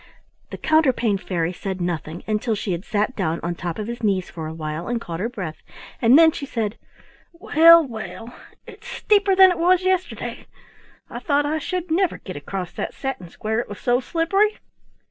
The Counterpane Fairy said nothing until she had sat down on top of his knees for a while and caught her breath, and then she said: "Well, well! It's steeper than it was yesterday. I thought I should never get across that satin square, it was so slippery."